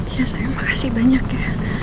ya saya makasih banyak ya